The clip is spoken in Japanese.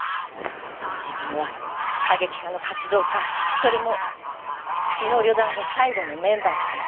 自分は過激派の活動家それも血の旅団の最後のメンバーだと言ってきたんです。